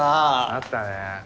なったね。